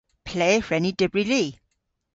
Ple hwren ni dybri li?